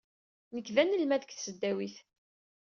Nekk d anelmad deg tesdawit.